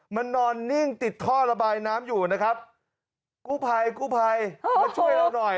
มันนอนนิ่งติดท่อระบายน้ำอยู่นะครับกู้ภัยกู้ภัยมาช่วยเราหน่อย